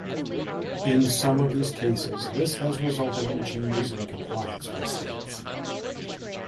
In some of these cases, this has resulted in changes in compliance by states.